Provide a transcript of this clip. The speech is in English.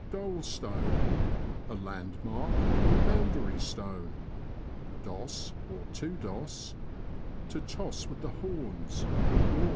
Dole Stone. — A landmark or boundary stone. Doss (to). — To toss with the horns, or gore.